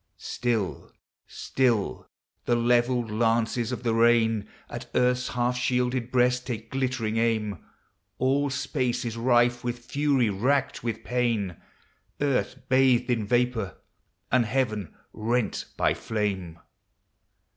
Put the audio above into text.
Still, still, the levelled lances of the rain At earth's half shielded breast take glittering aim ; All space is rife with fury, racked with pain, Earth bathed in vapor, and heaven rent by flame